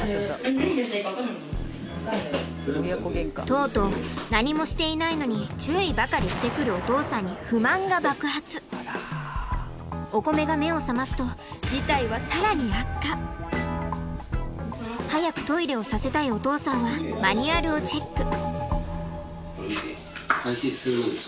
とうとう何もしていないのに注意ばかりしてくるお父さんにおこめが目を覚ますと早くトイレをさせたいお父さんはマニュアルをチェック。